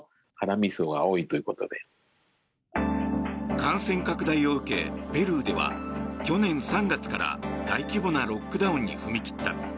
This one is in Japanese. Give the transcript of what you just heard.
感染拡大を受け、ペルーでは去年３月から大規模なロックダウンに踏み切った。